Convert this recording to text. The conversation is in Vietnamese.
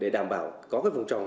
để đảm bảo có vùng trồng